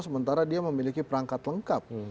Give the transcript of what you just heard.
sementara dia memiliki perangkat lengkap